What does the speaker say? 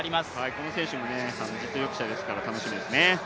この選手も実力者ですから楽しみですね。